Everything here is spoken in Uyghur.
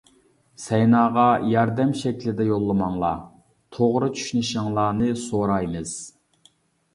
سەيناغا ياردەم شەكىلدە يوللىماڭلار. توغرا چۈشىنىشىڭلارنى سورايمىز.